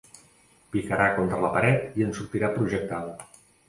Picarà contra la paret i en sortirà projectada.